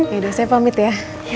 ya udah saya pamit ya